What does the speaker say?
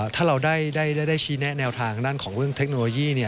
ถ้าเราได้ชี้แนะแนวทางด้านของเรื่องเทคโนโลยี